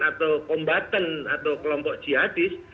atau kombatan atau kelompok jihadis